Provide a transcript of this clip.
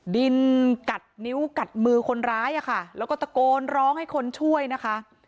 ดินกัดนิ้วกัดมือคนร้ายอะค่ะแล้วก็ตะโกนร้องให้คนช่วยนะคะ